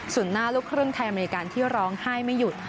ส่วนหน้าลูกครึ่งไทยอเมริกาที่ร้องไห้ไม่หยุด